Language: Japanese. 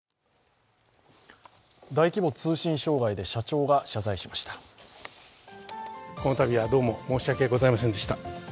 大規模通信障害で社長が謝罪しました。